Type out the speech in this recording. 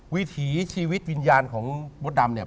วิถีชีวิตวิญญาณของมดดำเนี่ย